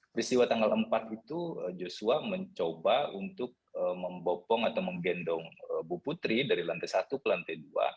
peristiwa tanggal empat itu joshua mencoba untuk membopong atau menggendong bu putri dari lantai satu ke lantai dua